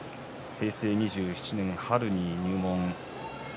平成２７年、春に入門。